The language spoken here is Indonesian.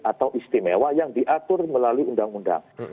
atau istimewa yang diatur melalui undang undang